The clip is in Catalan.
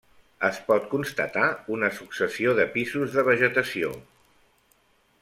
Es pot constatar una successió de pisos de vegetació.